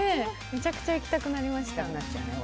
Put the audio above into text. めちゃくちゃ行きたくなりました。